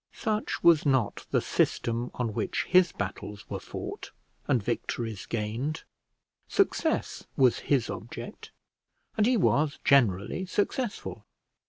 Such was not the system on which his battles were fought, and victories gained. Success was his object, and he was generally successful.